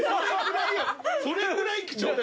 それぐらいよ！